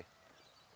tapi boleh minta